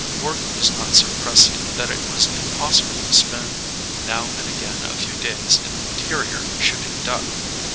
Work was not so pressing that it was impossible to spend now and again a few days in the interior shooting duck.